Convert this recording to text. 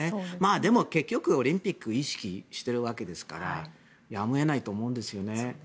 でも、結局オリンピックを意識しているわけですからやむを得ないと思うんですね。